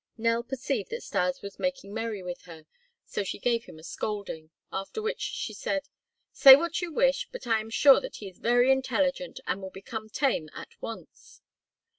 Nell perceived that Stas was making merry with her, so she gave him a scolding; after which she said: "Say what you wish, but I am sure that he is very intelligent and will become tame at once."